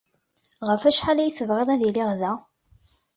Ɣef wacḥal ay tebɣiḍ ad iliɣ da?